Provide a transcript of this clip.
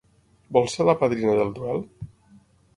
Vols ser la padrina del duel?